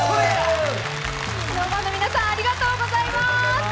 ＳｎｏｗＭａｎの皆さんありがとうございます。